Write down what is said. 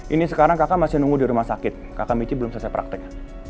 ini sekarang kakak masih nunggu di rumah sakit kakak michi belum selesai praktek